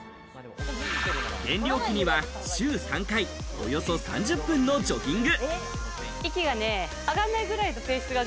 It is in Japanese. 減量期には週３回、およそ３０分のジョギング。